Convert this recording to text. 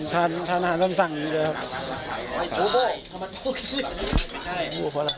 ทางอาหารสั่งพี่ดูเลยครับ